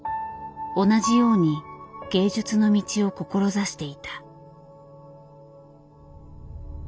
同じように芸術の道を志していた。